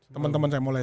teman teman saya mulai